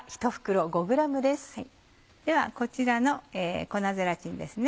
ではこちらの粉ゼラチンですね。